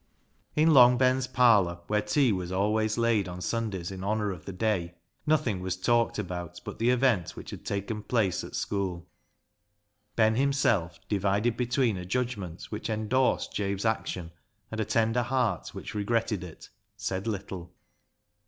In Long Ben's parlour, where tea was always laid on Sundays in honour of the day, nothing was talked about but the event which had taken place at school. Ben himself, divided between a judgment which endorsed Jabe's action and a tender heart which regretted it, said little.